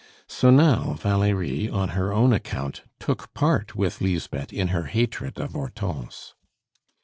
So now Valerie, on her own account, took part with Lisbeth in her hatred of Hortense.